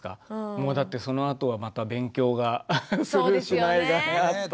もうだってそのあとはまた勉強がするしないがあったりとか。